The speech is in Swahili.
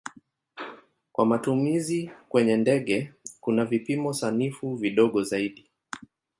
Kwa matumizi kwenye ndege kuna vipimo sanifu vidogo zaidi.